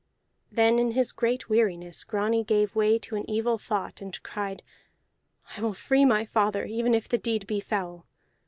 Then in his great weariness Grani gave way to an evil thought, and cried, "I will free my father, even if the deed be foul."